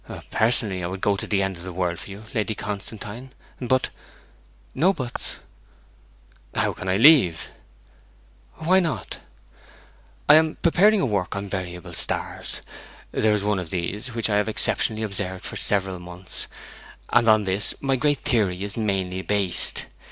'Personally, I would go to the end of the world for you, Lady Constantine; but ' 'No buts!' 'How can I leave?' 'Why not?' 'I am preparing a work on variable stars. There is one of these which I have exceptionally observed for several months, and on this my great theory is mainly based.